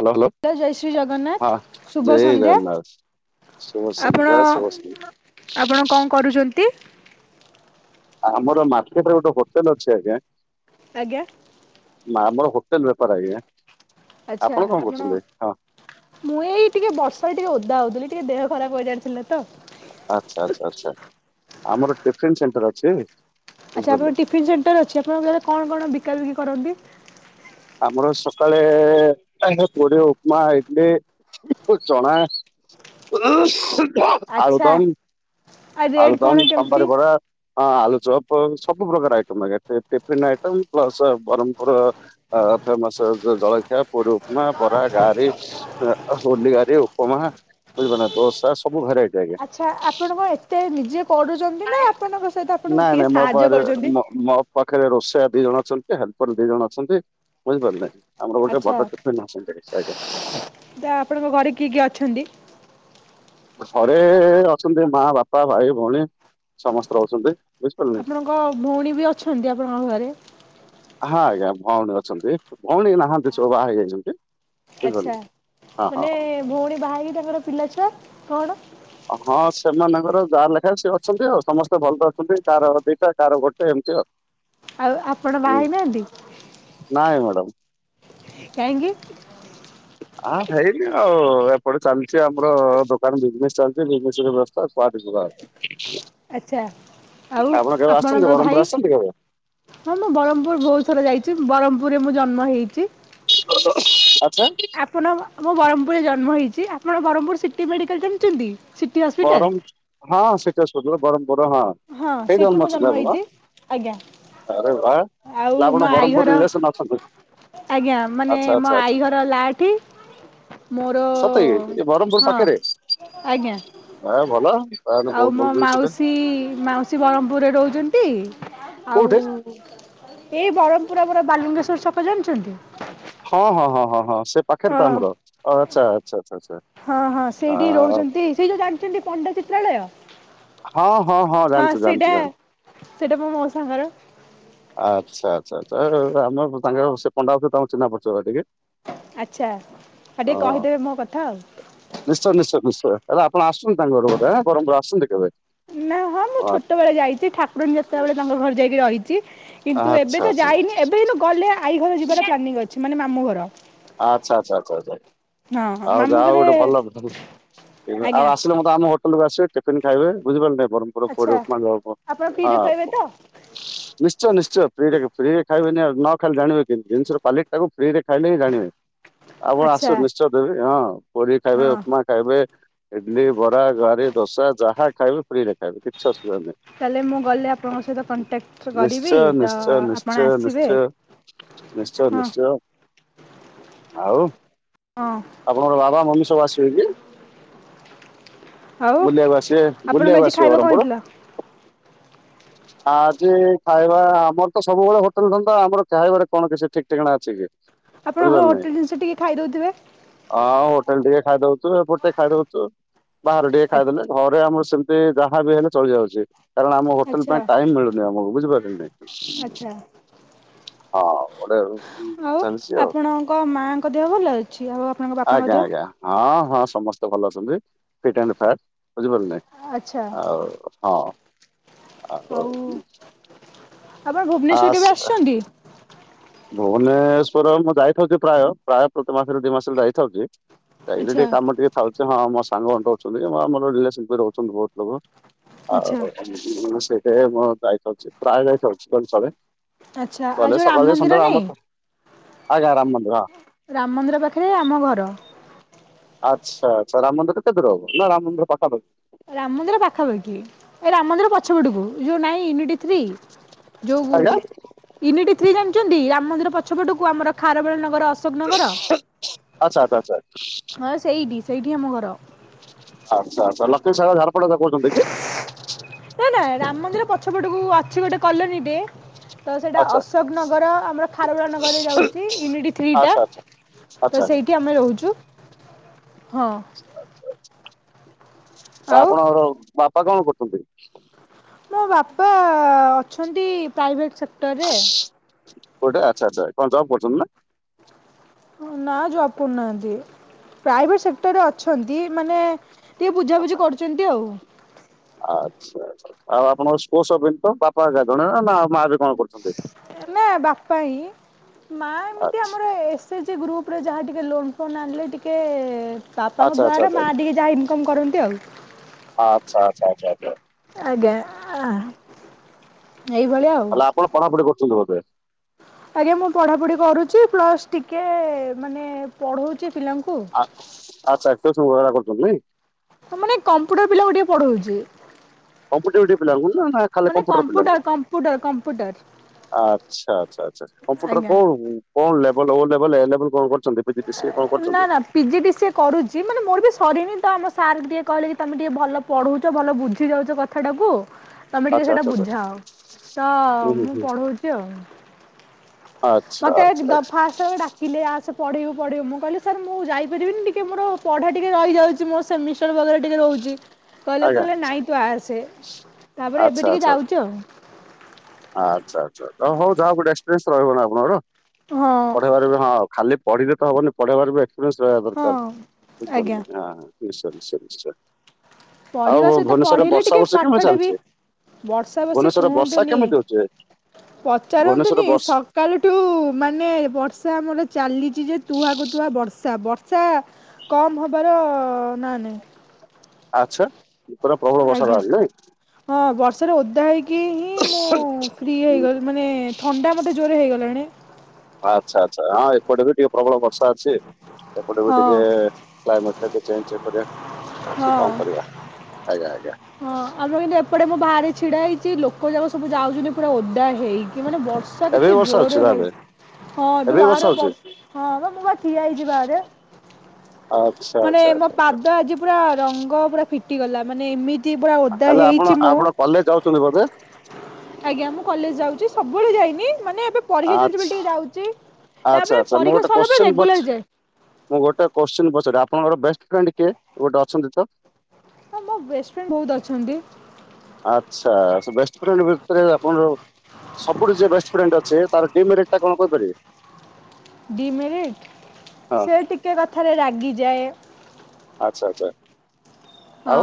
Hello ଲ ଜୟ Shri hello ହଁ ଜଗନ୍ନାଥ ଶୁଭ ଜୟ ସନ୍ଧ୍ୟା। ଜଗନ୍ନାଥ। ଶୁଭ ସନ୍ଧ୍ୟା ଆପଣ ଶୁଭ ସନ୍ଧ୍ୟା ଆପଣ କଣ କରୁଚନ୍ତି? ଆମର ମାର୍କେଟରେ ଗୋଟେ ହୋଟେଲ ଅଛି ଆଜ୍ଞା। ଆଜ୍ଞା। ନା ଆମର ହୋଟେଲ ବ୍ୟାପାର ଆଜ୍ଞା। ଆଚ୍ଛା କଣ ଆପଣ କରୁଛନ୍ତି ହଁ ମୁଁ ଏଇ ଟିକେ ବର୍ଷାରେ ଟିକେ ଓଦା ହଉଥିଲି। ଟିକେ ଦେହ ଖରାପ କରିବାର ଥିଲା ତ। ଆଚ୍ଛା ଆଚ୍ଛା ଆଚ୍ଛା। ଆମର ଟିଫନ୍ ସେଣ୍ଟର ଅଛି। ଆଚ୍ଛା ବୁଝିପାରିଲେ ଆପଣଙ୍କ ଟିଫନ୍ ସେଣ୍ଟର ଅଛି। ଆପଣଙ୍କ କଣ କଣ ବିକା ବିକି କରନ୍ତି? ଆମର ସକାଳେ ପୁରି ଉପମା ଇଡଲି। ଚଣା। ଆଚ୍ଛା ଆଳୁଦମ, ଆଉ ରେଟ୍ କଣ ଆଳୁଦମ କେମିତି? ସାମ୍ବାର ବରା ହଁ ଆଳୁଚପ। ସବୁ ପ୍ରକାର ଆଇଟମ୍ ଆଜ୍ଞା ଟ ଟିଫନ୍ ଆଇଟ ପ୍ଲସ ବରହମପୁର ଆ ଆରେ ତା ମେସେ ଜଳଖିଆ ପୁରି। ପମା ବରା ଗାରି ଅ ଅ ହୁଲିଆରୀ ଉପମା ବୁଝିପାରିଲନା ଦୋସା ସବ ଆଛା ଆପଣ କଣ ଏତେ ନିଜେ କରୁଛନ୍ତି ନା ନାଇଁ ଆପଣଙ୍କ ସହିତ ଆପଣଙ୍କୁ କିଏ ନାଇଁ ମୋ ସାହାଯ୍ୟ ପାଖରେ କରୁଛନ୍ତି? ମୋ ମୋ ପାଖରେ ରୋଷେୟା ଦି ଜଣ ଅଛନ୍ତି ହେଲ୍ପର ଦି ଜଣ ଅଛନ୍ତି ବୁଝିପାରିଲେ? ଆମର ଗୋଟେ ଆଚ୍ଛା ବଡ଼ ଟୀଫିନ ଅଛି ଆଞା। ତ ଆପଣଙ୍କ ଘରେ କିଏ କିଏ ଅଛନ୍ତି? ଘରେ ଅଛନ୍ତି ମା ବାପା ଭାଇ ଭଉଣୀ ସମସ୍ତେ ରହୁଚନ୍ତି। ଆପଣଙ୍କ ଭଉଣୀ ବି ଅଛନ୍ତି ଆପଣଙ୍କ ଘରେ? ହଁ ଆଜ୍ଞା ଭଉଣୀ ଅଛନ୍ତି ଭଉଣୀ ନାହାନ୍ତି ସବୁ ବାହା ହେଇ ଯାଇଚନ୍ତି ଆଛା ମାନେ ଭଉଣୀ ବାହା ହେଇକି ତାଙ୍କର ପିଲା ଛୁଆ କଣ? ହଁ ସେମାନଙ୍କର ଯାହାର ଲେଖା ସେ ଅଛନ୍ତି ଆଉ ସମସ୍ତେ ଭଲ ଅଛନ୍ତି କାର ଦିଟା କାର ଗୋଟେ ଏନ୍ତି ଆଉ। ଆଉ ଆପଣ ବାହାହେଇ ନାହାନ୍ତି? ହଉ। କାହିଁକି? ଅ ହେଇନି ଆଉ ଏପଟେ ଚାଲିଚି ଆମର ଦୋକାନ ବିଜନେସ ଚାଲିଚି। ଏ ବିଜନେସ ରେ ବସ୍ଥା କୁଆଡ଼େ ଯିବା ଆସି ଆଚ୍ଛା ଆଉ ଆସଛନ୍ତି ଆପଣଙ୍କ ବ୍ରହ୍ମପୁର ଭାଇ? ଆସଛନ୍ତି କେବେ ହଁ ମୁଁ ବରହମପୁର ବହୁତ ଥର ଯାଇଚି, ବରହମ୍ପୁରେ ମୁଁ ଜନ୍ମ ହେଇଚି। ଓ ଓ ହ ଆଚ୍ଛା। ଆପଣ ମୁଁ ବରହମପୁରରେ ଜନ୍ମ ହେଇଚି, ଆପଣ ବରହମପୁର ସିଟି ମେଡିକାଲ ଜାଣିଚନ୍ତି? ବରମ ହଁ ସିଟି ହସ୍ପିଟାଲ ବରହମପୁର। ମ୍ପୁର ହଁ ସେଇଠୀ ସେଠି ଜନ୍ମ ମୁଁ ହେଇଚନ୍ତି ଆପଣ? ହେଇଛି ଆଜ୍ଞା। ଆରେ ବା ଆଉ ହେଲେ ମୋ ଆପଣ ଆଈ ବରମପୁର ଘର ରିଲେସନ ଅଛନ୍ତି। ଆଜ୍ଞା ମାନେ ଆଚ୍ଛା ମୋ ଆଚ୍ଛା ଆଚ୍ଛା ଆଈ ଘର ଲାଠି। ମୋର ସତେ କି ଏ ବ୍ରହ୍ମପୁର ହଁ ଆଜ୍ଞା। ଏ ଭଲ। ତାହେଲେ ଆଉ ବହୁତ ମୋ ଭଲ ଜିନିଷଟେ ମାଉସୀ ମାଉସୀ ବରହମ୍ପୁର ରେ ରହୁଚନ୍ତି। ଆଉ କୋଉଠି ଏଇ ବରହମପୁର ଆମର ବାଲୁଙ୍କେଶ୍ୱର ଛକ ଜାଣିଚନ୍ତି? ହଁ ହଁ ହଁ ହଁ ହଁ ସେ ପାଖରେ ତ ଆମର ଆଚ୍ଛା ଆଚ୍ଛା। ଆଚ୍ଛା ଆଚ୍ଛା ହଁ ହଁ ଆ, ସେଇଠି ରହୁଚନ୍ତି ସେ ଯୋଉ ଜାଣିଚନ୍ତି ପଣ୍ଡା ଚିତ୍ରାଳୟ? ହଁ ହଁ ଜାଣିଛୁ ଜାଣିଛୁ ସେଇଟା ଜାଣିଛୁ ସେଇଟା ମୋ ମଉସା ଙ୍କର। ଆଚ୍ଛା ଆଚ୍ଛା ଆଚ୍ଛା ଆରେ ଆମ ତାଙ୍କ ସେ ପଣ୍ଡା ଙ୍କ ସହ ସେ ଆମ ଚିହ୍ନା ପରିଚୟ ବା ଟିକେ। ଆଚଛା ଆଉ ଟିକେ ହଁ କହିଦେବେ ମୋ କଥା ଆଉ। ଲେ ଆପଣ ଆସଚନ୍ତି ତାଙ୍କ ଘର ପଟେ ହାଁ ବରମପୁର ଆସନ୍ତୁ କେବେ? ନା ହଁ ମୁଁ ଛୋଟ ବେଳେ ଯାଇଚି, ଠାକୁରଣୀ ଯାତ୍ରା ବେଳେ ତାଙ୍କ ଘରେ ଯାଇକି ରହି କିନ୍ତୁ ଆଚ୍ଛା ଏବେ ତ ଆଚ୍ଛା ଯାଇନି ଏବେ କିନ୍ତୁ ଗଲେ ଆଇ ଘର ଯିବାର ପ୍ଲାନିଂ ଅଛି ମାନେ ମାମୁ ଘର ଆଚ୍ଛା ଆଚ୍ଛା ଆଚ୍ଛା ଆଚ୍ଛା। ହଁ ଆଉ ମାମୁଁ ଯାହା ହଉ ଘରେ ଗୋଟେ ଭଲ, ଆଉ ଆଜ୍ଞା ଆସିଲେ ମଧ୍ୟ ଆମ ହୋଟେଲକୁୁ ଆସିବେ। ଟିଫିନ୍ ଖାଇବେ ବୁଝିପାରିଲେ ନା। ବରଂପୁରର ପୁରୀ ଆଚ୍ଛା ଉପମା ଦବ ଆପଣ ଫ୍ରିରେ ଖୁଆଇବେ ହଁ ତ? ନିଶ୍ଚୟ ନିଶ୍ଚୟ ଫ୍ରି ରେ କ ଫ୍ରିରେ ଖାଇବେନି ଆଉ, ନ ଖାଇଲେ ଜାଣିବେ କିମତି, ଜିନିଷର କ୍ୱାଲିଟି ଟାକୁ ଫ୍ରୀ ରେ ଖାଇଲେି ହିଁ ଜାଣିବେ। ଆପଣ ଆଚ୍ଛା ଆସନ୍ତୁ ନିଶ୍ଚୟ ଦେବି ହଁ ପୁରି ହଁ। ଖାଇବେ ଉପମା ଖାଇବେ। ଇଡଲି ବରା ଗାରି ଦୋସା, ଯାହା ଖାଇବେ ଫ୍ରି ରେ ଖାଇବେ କିଛି ଅସୁବିଧା ନାହିଁ। ତାହେଲେ ମୁଁ ଗଲେ ଆପଣଙ୍କ ସହିତ କଂଟଟାକ୍ଟ କରିବି ନିଶ୍ଚୟ ତ ନିଶ୍ଚୟ ନିଶ୍ଚୟ ଆପଣ ଆସିବେ। ନିଶ୍ଚୟ ନିଶ୍ଚୟ ହଁ ନିଶ୍ଚୟ। ଆଉ ହଁ ଆପଣଙ୍କର ବାବା ମମି ସବୁ ଆସିବେ କି? ଆଉ ବୁଲବାକୁ ଆସିବେ। ଆପଣଙ୍କୁ ବୁଲଆବାକୁ ଆଜି ଆସିବେ ଖାଇବା କଣ ବରମ୍ପର! ହେଇଥିଲା? ଆ ଆଜି ଖାଇବା ଆମର ତ ସବୁବେଳେ ହୋଟେଲ ଧନ୍ଦା ଆମର ଖାଇବାରେ କଣ କିଛି ଠିକ ଠିକଣା ଅଛି କି? ଆପଣ ହୋଟେଲ ଜିନିଷ ଟିକେ ଖାଇଦଉ ହଁ ହୋଟେଲରେ ଟିକେ ଖାଇଦଉଚୂ, ଏ ପଟେ ଟିକେ ଖାଇଦଉଚୁ। ବାହାରେ ଟିକେ ଖାଇଦେଲେ ଘରେ ଆମର ସେମିତି ଯାହା ବି ହେଲେ ଚଳି ଯାଉଚି କାରଣ ଟେଲ ଆଚ୍ଛା ପାଇଁ ଟାଇମ୍ ମିଳୁନି ଆମକୁୁ ବୁଝିପାରିଲେ କି? ଆଚ୍ଛା। ହଁ ଗୋଟେ ଆଉ ଚାଲିଛି ଆଉ ଆପଣଙ୍କ ମାଙ୍କ ଦେହ ଭଲ ଅଛି ଆଉ? ଆପଣଙ୍କ ବାପାଙ୍କ ଆଜ୍ଞା ଦେହ? ଆଜ୍ଞା ହଁ ହଁ ସମସ୍ତେ ଭଲ ଅଛନ୍ତି ଫିଟ ଆଣ୍ଡ ଫାର ବୁଝିପାରୁିଲନ ନାଇ? ଆଚ୍ଛା ଆଉ ହଁ। ଆଉ ଆପଣ ଆ ଭୁବନେଶ୍ୱର କେବେ ଆସ ଆସିଛନ୍ତି? ଭୁବନେଶ୍ୱଵର ମୁଁ ଯାଇଥାଉଚି ପ୍ରାୟ ପ୍ରାୟ ପ୍ରତି ମାସରେ ଦି ମାସରେ ମୁଁ ଯାଇଥାଉଚି। ଯାଇଚି ଆଚ୍ଛା ଟିକେ କାମ ଟିକେ ଥାଉଚି ହଁ ମୋ ସାଙ୍ଗମାନେ ବି ରହୁଛନ୍ତି ମୋର ରହୁଚନ୍ତି ବହୁତ ଲୋକ ଆଚ୍ଛା ଆଉ ସେଇଥି ପାଇଁ ମୁଁ ଯାଇ ଥାଉଛି ପ୍ରାୟ ଯାଇ ହଉଛି କଥରେ। ଆଚ୍ଛା ଆଉ ଗଲେ ଯୋଉ ରାମ ସକାଳେ ଯାଇ ମନ୍ଦିର ସନ୍ଧ୍ୟବେଳେ ନାଇଁ ଆମ ଆଜ୍ଞା ଆରାମ ମନ୍ଦିର ହଁ। ରାମ ମନ୍ଦିର ପାଖରେ ଆମ ଘର। ଆଚଛା ଆଚ୍ଛା ରାମ ମନ୍ଦିରରୁ କେତ ଦୂର ହବ, ନା ରାମ ମନ୍ଦିରେ ପାଖା ପାଖି? ରାମ ମନ୍ଦିର ପାଖାପାଖି ଏ ରାମ ମନ୍ଦିର ପଛପଟକୁ, ଏ ଯୋଉ ନାଇଁ? ଯୋଉ ଆଜ୍ଞା ନି ଥ୍ରୀ ଜାଣିଛନ୍ତି, ରାମ ମନ୍ଦିର ପଛପଟ ଆମର ଖାରବେଳ ନଗର ଅଶୋକ ନଗର, ଆଚ୍ଛା ଆଚ୍ଛା ଆଚ୍ଛା ହଁ ସେଇଠି ସେଇଠି ଆମ ଘର। ଆଛା ଆଛା ଲକ୍ଷ୍ମୀ ସାଗର ଝାରପଡା କହୁଛନ୍ତି କି? ଛପଟକୁ ଅଛି ଗୋଟେ କଲନୀଟିଏ ତ ସେଇଟା ଆଚ୍ଛା ଅଶୋକ ନଗର ଆମର ଖାରବେଡ଼ ନଗରରେ ଯାଉଛି, ୟୁନିଟ ଥ୍ରୀ ଟା ଆଚ୍ଛା ଆଚ୍ଛା ତ ଆଚ୍ଛା ସେଇଠି ଆମେ ରହୁଛୁ। ହଁ ଆଚ୍ଛା ଆଚ୍ଛା। ଆଉ ଆପଣଙ୍କର ବାପା କଣ କରୁଛନ୍ତି? ମୋ ବାପା ଅଛନ୍ତି ପ୍ରାଇଭେଟ ସେକ୍ଟରରେ ଗୋଟେ ଆଚ୍ଛା ଆଚ୍ଛା କଣ ଯକୁ ପଡୁଛନ୍ତି ନା? ନା ଜବ କରୁନାହାନ୍ତି ପ୍ରାଇଭେଟ ସେକ୍ଟରରେ ଅଛନ୍ତି ମାନେ ଟିକେ ଆଚ୍ଛା ବୁଝାବୁଝି ଆଚ୍ଛା କରୁଛନ୍ତି ଆଉ। ଆଚ୍ଛା ଆଉ ଆପଣଙ୍କ ସ୍ୋସ ତ ବାପା ଆ ଜଣେ ମା ମା ବି କଣ କରୁଛନ୍ତି? ପାଇଁ ମା ଏମିତି ଆମର ଏସ୍ ସେ ଯେ ଗ୍ରୁପରେ ଯାହା ଟିକେ ଲୋନ୍ ଫୋନ୍ ଆଣିଲେ ଟିକେ ବାପାଙ୍କ ଆଚ୍ଛା ଆଚ୍ଛା ଦ୍ଵାରା ଆଚ୍ଛା ମା ଟିକେ ଯାହା ଇନକମ କରନ୍ତି ଆଉ। ଆଚ୍ଛା ଆଚ୍ଛା ଆଛା ଆଛା। ଆଜ୍ଞା। ଏଇଭଳିଆ ଆଉ ତାହେଲେ ଆପଣ ପଢାପଢି କରୁଛନ୍ତି ଭବେ? ଆଜ୍ଞା ମୁଁ ପଢାପଢି କରୁଛି, ପ୍ଲସ୍ ଟିକେ ମାନେ ପଢଉଛି ଆ ଆ କରୁଛନ୍ତି ନାଇଁ? ତ ମାନେ କମ୍ପୁଟର ପିଲା ଟିକେ ପଢଉଛି। କମ୍ପଟି ପିଲାଙ୍କୁ ନା ଖାଲି କମ୍ପ୍ୟୁଟର ପିଲା? କମ୍ପ୍ୟୁଟର କମ୍ପ୍ୟୁଟର ଆଛା ଆଚ୍ଛା ଆଛା କମ୍ପୁଟର ଆଜ୍ଞା କଣ ଲେବେଲ ଓ ଲେବେଲ, ଏ ଲେବେଲ? ନା ନା ପିଜି ସି କରୁଛି ମାନେ ମୋର ବି ସରିନି ତ ଆମ ସାର୍ ଟିକିେ କହିଲେ, କି ତୁମେ ଟିକିେ ଭଲ ପଢ଼ାଉଛ ଭଲ ବୁଝି ଯାଉଛ କଥାଟାକୁ ତମେ ଟିକେ ଆଚ୍ଛା ସେଇଟା ଆଚ୍ଛା ଆଚ୍ଛା ବୁଝାଅ, ତ ହୁଁ ହୁଁ ମୁଁ ହୁଁ ପଢଉଛି ଆଉ। ଆଚ୍ଛା ମତେ ଆଚ୍ଛା ଦଫା ଆସ ଡାକିଲେ ଆସ ପଢିବ? ପଢିବ ମୁଁ କହିଲି ସାର୍ ମୁଁ ଯାଇପାରିବିନିି ଟିକେ ମୋର ପଢା ଟିକେ ରଯାଉଛି ମୋ ସେ ଟିକେ ରହୁଛି ଆଜ୍ଞା କହପ ନାଇ ତାପରେ ଏବେ ଟିକେ ଯାଉଛୁ ଆଉ। ଆ ହଉ ଯାହା ଗୋଟେ ଏକ୍ସପିରିଏସ ରହିବନା, ଆପଣର ହଁ ପଢ଼େଇବାରେ ହଁ ଖାଲି ପଢ଼ିଲେ ତ ହବନି ପଢ଼େଇବାର ବି ଏକ୍ସପିରିଏନ୍ସ ରହିବା ହଁ। ଦରକାର ବୁଝିପାରିଲେ ଆଜ୍ଞା ନିଶୟ ନିଶ୍ଚୟ ନିଶ୍ଚୟ। ଆଉ ପଢ଼ିବା ସହିତ ଭୁବନେଶ୍ୱରରେ ପଢ଼େଇଲେ ବର୍ଷା ଟିକେ ବର୍ଷି ପାଠ କେମିତି ଟା ବି ଚାଲିଛି ବର୍ଷା ବସି ଭୁବନେଶ୍ୱରରେ ବର୍ଷା କୁହନ୍ତୁନି। କେମିତି ହଉଛି ଭୁବନେଶ୍ୱରରେ ପଚାରନ୍ତୁନି ବର୍ଷା ସକାଳୁଠୁ ମାନେ ବର୍ଷା ଆମର ଚାଲିଛି ଯେ ତୁଆ କୁ ତୁଆ ବର୍ଷା ବର୍ଷା କମ ହବାର ନା ନାଇଁ? ଆଚ୍ଛା ପୁରା ପ୍ରବଳ ବର୍ଷା ତାହେଲେ ନାଇଁ? ହଁ ବର୍ଷାରେ ଓଧା ହେଇକି ହିଁ ମୁଁ ମୁଁ ଫ୍ରି ହୁଁ, ହେଇଗଲି ମାନେ ଥଣ୍ଡା ମୋତେ ଜୋରରେ ହେଇଗଲାଣି ଆଚ୍ଛା ଆଛା ହଁ ଏପଟେ ବି ଟିକେ ପ୍ରବଳ ବର୍ଷା ଅଛି। ଏପଟ ବି ହଁ ଟିକେ କ୍ଲାଇମେଟ ଟିକେ ଚେଞ୍ଜ କରିବା ସେ ହଁ। କଣ କରିବା ଆଜ୍ଞା ଆଜ୍ଞା। ହଁ ଆମର କିନ୍ତୁ ଏପଟେ ମୋ ବାହାରେ ଛିଡ଼ା ହେଇଛି ଲୋକ ଯାକ ସବୁ ଯାଉଛନ୍ତି, ପୁରା ଓଦା ହେଇକି ମାନେ ବ ର୍ଷା ଏବେ ବି କେତେ ବର୍ଷା ହଉଛି ଜୋର ହଉ ତାହେଲେ ହଁ ଏବେ ବି ବର୍ଷା ବାଡ଼େ ଯୋ ହଉଛି ବ ହଁ ବା ମୁଁ ବା ଠିଆ ହେଇଚି ବାହାରେ। ଆ ମାନେ ମୋ ପାଦ ଆଜି ପୁରା ରଙ୍ଗ ପୁରା ଫିଟିଗଲା ମାନେ ଏମିତି ମିତି ପୁରା ଓଦା ହେଇଛି ମୁଁ ଛନ୍ତି ବୋଧେ? ଆଜ୍ଞା ମୁଁ କଲେଜ ଯାଉଛି, ସବୁବେଳେ ଯାଇନି ମାନେ ଏବେ ପରୀକ୍ଷା ଚାଲିଛି ଆଚ୍ଛା ବୋଲିି ଟିକେ ଯାଉଛି ଆଚ୍ଛା ତାପରେ ଆଚ୍ଛା ମୁଁ ପରୀକ୍ଷା ଗୋଟେ ସରିଲା ପରେ କୋଶ୍ଚେନ୍! ରେଗୁଲାର ଯାଏ ମୁଁ ଗୋଟେ କୋଶ ପଚାରି ଆପଣଙ୍କର ବେଷ୍ଟ ଫ୍ରେଣ୍ଡ କିଏ ଗୋଟେ ଅଛନ୍ତି ତ? ହଁ ମୋ ବେଷ୍ଟ ଫ୍ରେଣ୍ଡ ବହୁତ ଅଛନ୍ତି ଆଛା ବେଷ୍ଟ ଫ୍ରେଣ୍ଡ ଆପଣର ସବୁଠୁ ଯେ ବେଷ୍ଟ ଫ୍ରେଣ୍ଡ ଅଛି ତାର ଡିମେରିଟ ଟା କଣ କହିପାରିବେ? ଡିମେରିଟ ହଁ ସେ ଟିକେ କଥାରେ ରାଗିଯାଏ ଆଚ୍ଛା ଆଚ୍ଛା। ହଁ। ଆଉ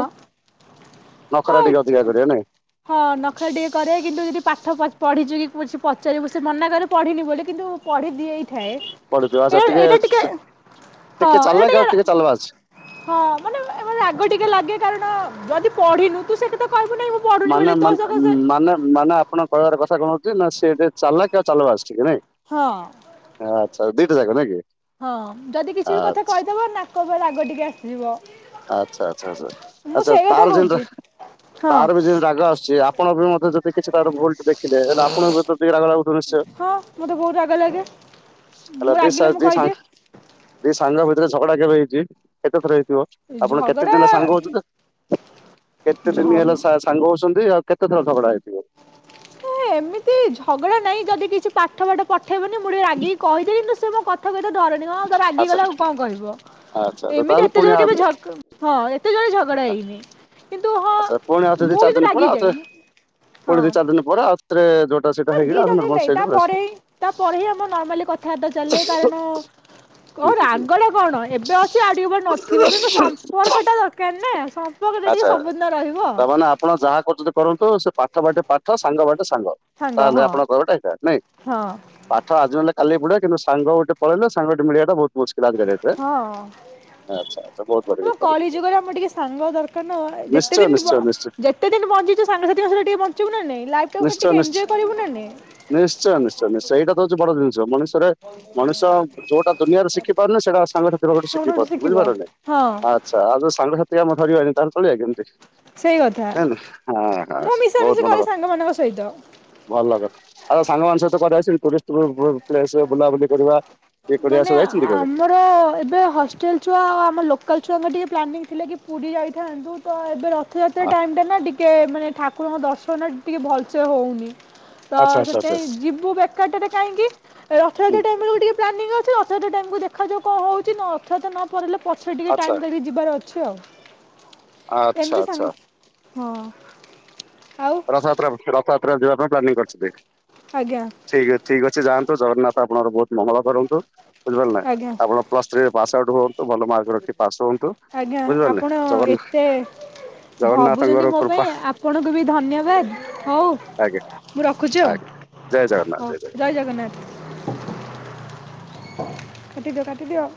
ହଁ ନଖରା ଟିକେ ଅଧିକା କରିବେ ନାଇଁ ହଁ ନଖ ଟିକେ କରିବା କିନ୍ତୁ ଯଦି ପାଠ ପଢ଼ି ପଢ଼ିଛି କିଛି ପଚାରିବୁ ସେ ମନାକରେ ପଢ଼ିନି ବୋଲି କିନ୍ତୁ ପଢ଼ି ଦିଏ ଥାଏ ପଢୁଥିବ ଆଚ୍ଛା ଏଟ ଏଇଟା ଟିକେ ହଁ ଟିକେ ଚାଲାକ ଏଟା ଆଉ ଚାଲବାଜ। ଟିକେ ହଁ ମାନେ ଏ ରାଗ ଟିକେ ଲାଗେ କାରଣ ଯଦି ପଢ଼ିନୁ ତୁ ସେ କଥା ମାନେ ମେ ମାନେ ମାନେ ଆପଣଙ୍କ କହିବାର କଥା କଣ ହଉଚି କଣଉଥିଲେ ନା ସେ ଚାଲକ୍ ଆଉ ଚାଲବାଜ୍? ଚି ନାଇଁ ହଁ ଆଚ୍ଛା ଦିଟା ଯାକ ନାଇଁ କି! ହଁ ଯଦି କିଛି ବି ଆ- କଥା କହିଦବ ନାକ ଉପରେ ରାଗ ଟିକେ ଆସିଯିବ। ଆଚ୍ଛା ଆଚ୍ଛା ଆଛା ମୁଁ ଆଚ୍ଛା ସେଇ କଥା ତାର ଯେନ୍ତା କହୁଛି ହଁ ତାର ବି ଯି ରାଗ ଆସୁଛି ଆପଣଙ୍କର ମଧ୍ୟ୍ୟ ଯଦି କିଛି ତାର ଭୁଲଟେ ଦେଖିଲେ ତାହେଲେ ଆପଣ ବି ରା ହଁ ମୋତେ ବହୁତ ରାଗ ଲାଗେ ହେଲା ମୁଁ ଦି ସା ରାଗିଲେ ମୁଁ ଦି ସାଙ୍ଗ କହିଦିଏ। ଦି ସାଙ୍ଗ ଭିତରେ ଝଗଡ଼ା କେବେ ହେଇଚି କେତେଥର ହେଇଥିବ? ଆପଣ କେତେ ଝଗଡା ଦିନ ସାଙ୍ଗ ହଉଛନ୍ତି, କେତେ ଦିନ ଝଗ ହେଲା ସା ସାଙ୍ଗ ହଉଛନ୍ତି ଆଉ କେତେ ଥର ଝଗଡ଼ା ହେଇଥିବ? ଏମିତି ଝଗଡ଼ା ନାଇଁ ଯଦି କିଛି ପାଠ ପାଠ ପଠେଇବନି ମୁଁ ଟିକେ ରାଗିକି କହିଦେବି ସେ ମୋ କଥାକୁ ଏ ତେ ଧରେନି କଣ ତ ଆଚ୍ଛା ରାଗିଗଲା ଆଉ କଣ କହିବ ଆଚ୍ଛା ଆଚ୍ଛା ଏମିତି ତାହେଲେ ଏତେ ପୁଣି ଜୋର ଆଉ କେବେ ଝ ହଁ ଏତେ ଜୋରେ ଝଗଡ଼ା ହେଇନି। କିନ୍ତୁ ହଁ ଆଚ୍ଛା ପୁଣି ଆଉଥରେ ଦି ମୁଁ ଚାରି କିନ୍ତୁ ଦିନ ପରେ ଆଉଥରେ ରାଗିଯାଏ ହଁ। ପୁଣି ଦି ଚାରି ଦିନ ପରେ ଆଉଥରେ ଯୋଉଟା ସେଇଟା ନା ଦି ହେଇକି ଆଉଥରେ ଜାଣ ନର୍ମାଲ ନାଇଁ ଷ୍ଟେଜକୁ ପଳେଇ ତାପ ଆସିବେ। ହିଁ ତାପରେ ହିଁ ଆମର ନର୍ମାଲି କଥାବାର୍ତ୍ତା ଚାଲଲେ କାରଣ କଣ ହୁଁ ହୁଁ ହୁଁ ରାଗଟା କଣ ଏବେ ଅଛି ଆଉ ଟିକେ ପରେ ନଥିବ କିନ୍ତୁ ସମ୍ପର୍କ ଟା ଦରକାର ନା ସମ୍ପ ଟେ ଟିକେ ଆଚ୍ଛା ସବୁଦିନ ରହିବ। ତାମାନେ ଆପଣ ଯାହା କରୁଛନ୍ତି କରନ୍ତୁ ପାଠ ବାଟେ ପାଠ ସାଙ୍ଗ ବାଟେ ସାଙ୍ଗ ସାଙ୍ଗ ତାହେଲେ ହଁ ଆପଣଙ୍କ କଟ ହେଇ ନାଇଁ ହଁ। ପାଠ ଆଜି ନେଲେ ାଲି ପଡା କିନ୍ତୁ ସାଙ୍ଗ ଗୋଟେ ପଳେଇଲେ ସାଙ୍ଗେ ମିଳିବାଟା ବହୁତ ମୁସ୍କିଲ ଆ ଏ ହଁ କଳି ଯୁଗରେ ଆମର ଟିକେ ସାଙ୍ଗ ଦରକାର ନା ଯେତେ ନିଶ୍ଚୟ ନିଶ୍ଚୟ ଦିନ ନିଶ୍ଚୟ ଯେତେ ଦିନ ବଞ୍ଚିଛ ସ ସାଙ୍ଗସଥିଙ୍କଙ୍ଗ ଟିକେ ବଞ୍ଚିବୁ ନା ଲାଇ ଟା ନିଶ୍ଚୟ ନିଶ୍ଚୟ ଟେଜ କରିବୁ ନାଁ? ନିଶ୍ଚୟ ନିଶ୍ଚୟଶ୍ଚୟ ଏଇଟା ତ ହଉଛିଡ ଜିନଷ ମଣିଷ ମଣିଷ ଯୋଉଟା ଦୁନିଆରେ ଶିଖି ପାରୁନ ସେଇଟା ସାଙ୍ଗ ପାଖ କଣ ଶିଖି ଗୋଟେ ଶିଖିବ ପାରୁଛୁଝିପାରୁନି ହଁ। ଆଛ ଆଉ ଯୋଉ ସାଙ୍ଗସାଥି ଆମ ଧରିବାନି ତାଲେ ଚଳଆ କେମିତ? ସେଇ କଥା ନ ହ ହ ମୁଁ ବହୁତ ମିଶାମିଶି କରେ ଭଲ। ସାଙ୍ଗମାନଙ୍କ ସହିତ। ଭଲ ଲ ଆଉ ସାଙ୍ଗମାନାନଙ୍କ ସହିତ କ ଟରିଷ୍ଟ ପ୍ସ ବୁଲାବୁଲି କରିବା? ଇଏ କରିବା ମାନେ ସବୁ ଯାଇଛନ୍ତି କେବେ ଆମର ଏବେ ହଷ୍ଟେଲ ଛୁଆ ଆ ଆମ ଲୋକାଲ ଛୁଆଙ୍କ ଟିକେ ପ୍ଲାନିଂ ଥିଲେ କି ପୁରୀ ଯାଇଥାନ୍ତୁ ତ ଏବେ ରଥଯାତ୍ରା ଟାଇମ୍ଟା ନା ଟିକେ ମାନେ ଠାକୁରଙ୍କ ଦର୍ଶନ ଟିକେ ଭଲସେ ହଉନି ତ ଆଚ୍ଛା ଆଚ୍ଛା ଆଚ୍ଛା ସେଥିାଇଁ ଯିବୁ ବେକାରଟରେ କାହିଁକି! ହୁଁ ରଥଯାତ୍ର ଟାଇମ ଟିକେ ପ୍ଲାନିଂ ଅ ଅଥୟତ ଟାଇମ୍କୁୁ ଦେଖାଯାଉ କଣ ହଉଛି ନା ଅଥକ୍ଷୟତ ନ ପିଲଲେ ପଛେ ଟିକେ ଆଚ୍ଛା ଟାଇମ ଲାଗିକି ଯିବାର ଅଛି ଆଉ। ଆଚ୍ଛା ଏମିତି ସାଙ୍ଗ ଆଚ୍ଛା। ହଁ। ଆଉ ରଥଯାତ୍ରା କୁ ରଥଯାତ୍ରା ଯିବା ପାଇଁ ପ୍ଲାନିଂ କରିଛନ୍ତି। ଆଜ୍ଞା ଠିକ ଅ ଠିକ ଅଛି ଯାଆନ୍ତୁ ଜଗନ୍ନାଥ ଆପଣଙ୍କର ବହୁତ ମଙ୍ଗଳ କରନ୍ତୁ। ବୁଝିପାରିଲ ନା ଆଜ୍ଞା ଆପଣ ପ୍ଲସ୍ ଥ୍ରୀରେ ପାସ୍ ଆଉଟ୍ ହୁଅନ୍ତୁ ଭଲ ମାର୍କ ରଖି ପାସ୍ ହୁଅନ୍ତୁ। ଆଜ୍ଞା ବୁଝିପାରିଲେ ଆପଣ ଜଗନ୍ନା ଏତେ ଜଗନ୍ନାଥଙ୍କର ଭାବୁଛନ୍ତି ମୋ କୃପା ପାଇଁ ଆପଣଙ୍କୁ ବି ଧ ନ୍ୟବାଦ ହଉ ଆଜ୍ଞା ମୁଁ ରଖୁଛି ଆଉ ଆଜ୍ଞା ଜୟ ଜଗନ୍ନାଥ ଜଗନ୍ନାଥ। ହଉ ଜୟ ଜଗନ୍ନାଥ। [inaudible] କାଟି ଦିଅ କାଟି ଦିଅ।